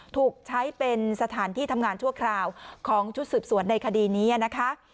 ถูกใช้เป็นสถานที่ทำงานชั่วคราวของชุดสืบสวนในคดีนี้นะคะ